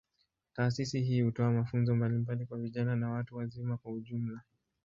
Taasisi hii hutoa mafunzo mbalimbali kwa vijana na watu wazima kwa ujumla.